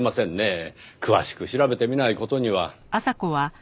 詳しく調べてみない事には。